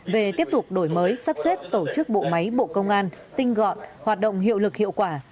về tiếp tục đổi mới sắp xếp tổ chức bộ máy bộ công an tinh gọn hoạt động hiệu lực hiệu quả